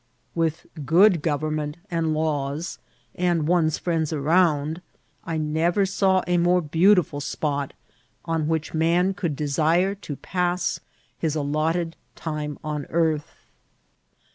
With good government and laws, and <me's friends around, I never saw a more beautiful spot on which man could desire to pass his allotted time on earth.